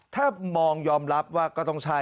ถ้ามองยอมรับว่าก็ต้องใช่